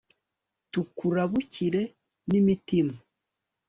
tukurabukire n'imitima